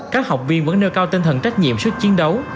các học viên vẫn nơi cao tinh thần trách nhiệm suốt chiến đấu